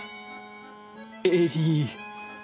エリー。